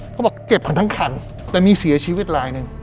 เขาบอกเจ็บกันทั้งคันแต่มีเสียชีวิตรายหนึ่ง